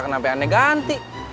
kenapa aneh ganti